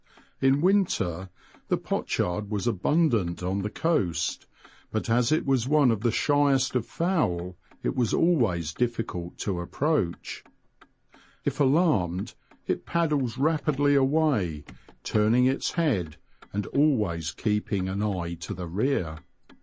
In winter the pochard was abundant on the coast, but as it was one of the shyest of fowl it was always difficult to approach. If alarmed it paddles rapidly away, turning its head, and always keeping an eye to the rear.